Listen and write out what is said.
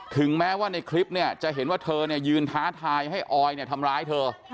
ถึงแม้ว่าในคลิปเนี่ยจะเห็นว่าเธอยืนท้าทายให้ออยทำร้ายเธอ